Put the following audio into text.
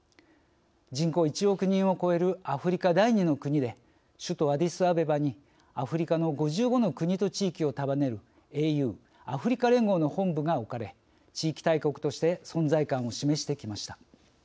人口１億人を超えるアフリカ第２の国で首都アディスアベバにアフリカの５５の国と地域を束ねるＡＵ＝アフリカ連合の本部が置かれ地域大国として存在感を示してきました。